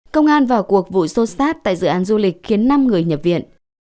công an vào cuộc vụ xô xát tại dự án du lịch khiến năm người nhập viện